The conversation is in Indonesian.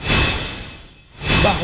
bahwa oposisi ini belum terlalu